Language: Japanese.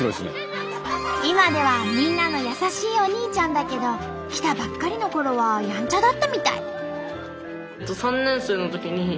今ではみんなの優しいお兄ちゃんだけど来たばっかりのころはやんちゃだったみたい。